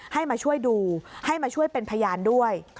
ให้มาช่วยดูให้มาช่วยเป็นพยานด้วย